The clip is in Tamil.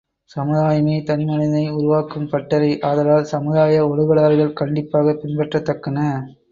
சமுதாயமே தனிமனிதனை உருவாக்கும் பட்டறை, ஆதலால், சமுதாய ஒழுகலாறுகள் கண்டிப்பாகப் பின்பற்றத் தக்கன.